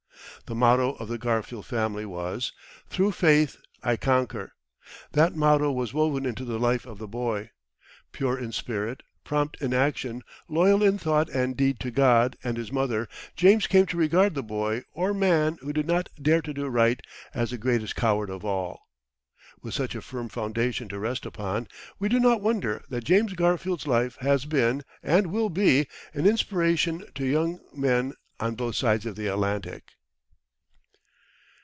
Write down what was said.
The motto of the Garfield family was, "Through faith I conquer." That motto was woven into the life of the boy. Pure in spirit, prompt in action, loyal in thought and deed to God and his mother, James came to regard the boy or man who did not dare to do right as the greatest coward of all. With such a firm foundation to rest upon, we do not wonder that James Garfield's life has been, and will be, an inspiration to many young men on both sides of the Atlantic.